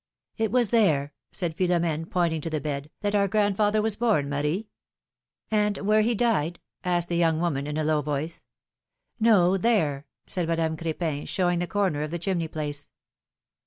^'It was there,^^ said Philom^ne, pointing to the bed, that our grandfather was born, Marie.^^ ^^And where he died?^^ asked the young woman, in a low voice. No ; there," said Madame Cr^pin, showing the corner of the chimney place.